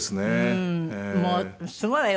もうすごいわよ。